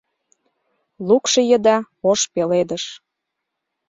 Лукшо еда — ош пеледыш